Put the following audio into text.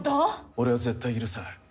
俺は絶対許さない。